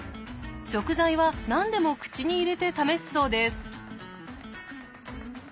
食材は何でも口に入れて試すそうです。